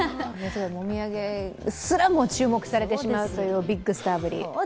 もみあげすらも注目されてしまうというビッグスターぶり。